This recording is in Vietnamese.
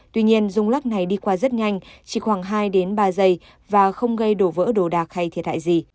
tuy nhiên rung lắc này đi qua rất nhanh chỉ khoảng hai ba giây và không gây đổ vỡ đồ đạc hay thiệt hại gì